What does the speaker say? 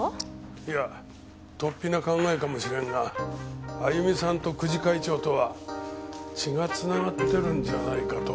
いや突飛な考えかもしれんが歩美さんと久慈会長とは血が繋がってるんじゃないかと。